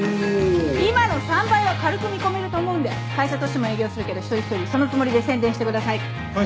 今の３倍は軽く見込めると思うんで会社としても営業するけど一人一人そのつもりで宣伝してください。